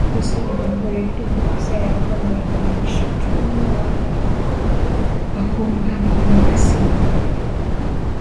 Jeshi la jamuhuri ya kidemokrasia ya Kongo linaishutumu Rwanda kwa kuunga mkono waasi wa M ishirini na tatu